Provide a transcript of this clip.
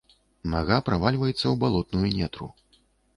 Нага правальваецца ў балотную нетру.